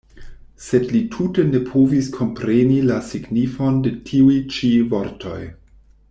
Sed li tute ne povis kompreni la signifon de tiuj-ĉi vortoj.